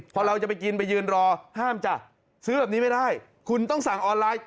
พอเราจะไปกินไปยืนรอห้ามจ้ะซื้อแบบนี้ไม่ได้คุณต้องสั่งออนไลน์